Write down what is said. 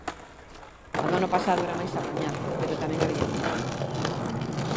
A do ano pasado era máis apañada, pero tamén había moita.